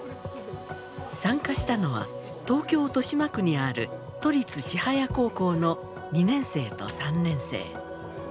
参加したのは東京・豊島区にある都立千早高校の２年生と３年生。